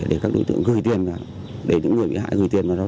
để các đối tượng gửi tiền vào để những người bị hại gửi tiền vào đó